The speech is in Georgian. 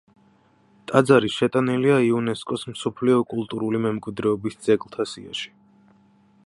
ტაძარი შეტანილია იუნესკოს მსოფლიო კულტურული მემკვიდრეობის ძეგლთა სიაში.